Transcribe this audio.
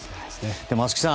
松木さん。